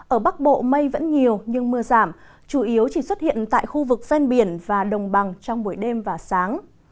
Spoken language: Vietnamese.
ở bắc bộ mây vẫn nhiều nhưng mưa giảm chủ yếu chỉ xuất hiện tại khu vực ven biển và đồng bằng trong buổi đêm và sáng